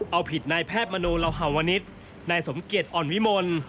เอาผิดนายแพทย์มโนลาฮาวนิษฐ์นายสมเกียจอ่อนวิมล